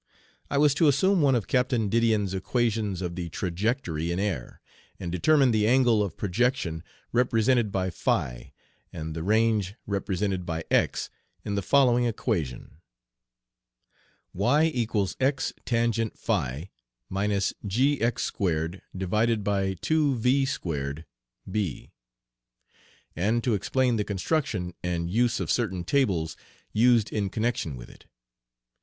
I was to assume one of Captain Didion's equations of the trajectory in air, and determine the angle of projection represented by phi, and the range represented by x in the following equation: y = x tan. phi gx2/2V2 B, and to explain the construction and use of certain tables used in connection with it.